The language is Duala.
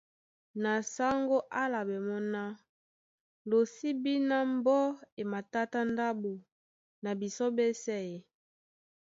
Na sáŋgó á álaɓɛ́ mɔ́ ná:Lo sí bí ná mbɔ́ e matátá ndáɓo na bisɔ́ ɓɛ́sɛ̄ ē?